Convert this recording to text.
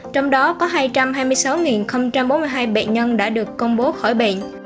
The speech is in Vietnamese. trong đó có hai trăm hai mươi sáu bốn mươi hai bệnh nhân đã được công bố khỏi bệnh